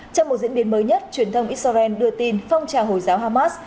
trong một diễn biến mới nhất truyền thông israel đưa tin phong trào hồi giáo hamas